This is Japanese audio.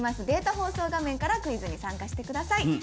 データ放送画面からクイズに参加してください。